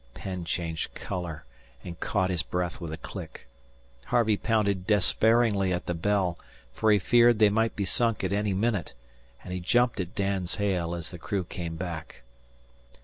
Penn changed colour and caught his breath with a click. Harvey pounded despairingly at the bell, for he feared they might be sunk at any minute, and he jumped at Dan's hail as the crew came back.